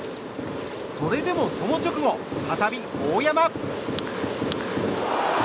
それでもその直後、再び大山。